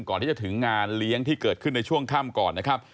ก่อนที่จะถึงงานเลี้ยงที่เกิดขึ้นในช่วงค่ำก่อนนะครับ